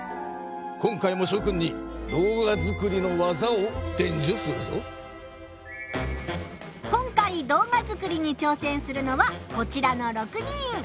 今回もしょ君に動画作りの技をでんじゅするぞ。今回動画作りに挑戦するのはこちらの６人。